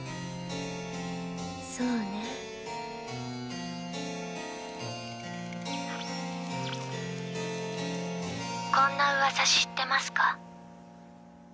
そうねこんな噂知ってますか？